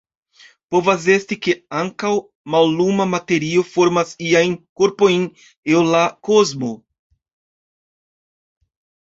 Povas esti, ke ankaŭ malluma materio formas iajn korpojn en la kosmo.